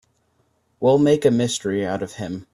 We'll make a mystery out of him.